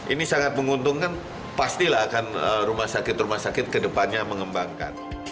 ini sangat menguntungkan pastilah akan rumah sakit rumah sakit kedepannya mengembangkan